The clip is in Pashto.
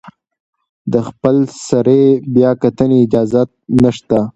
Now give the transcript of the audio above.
د خپلسرې بیاکتنې اجازه نشته.